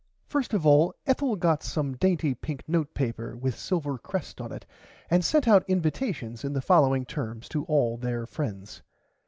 First of all Ethel got some dainty pink note paper with silver crest on it and sent out invitations in the following terms to all their frends.